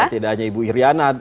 tidak hanya ibu iryana